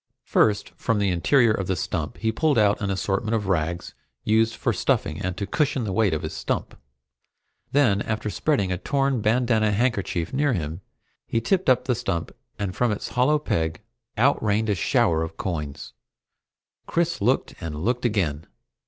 First, from the interior of the stump he pulled out an assortment of rags used for stuffing, and to cushion the weight of his stump. Then, after spreading a torn bandanna handkerchief near him, he tipped up the stump and from its hollow peg, out rained a shower of coins! Chris looked, and looked again.